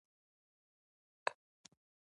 زموږ کلی د ښار تر ټولو کلیو ډېر شین دی.